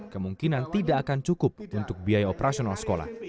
kemungkinan tidak akan cukup untuk biaya operasional sekolah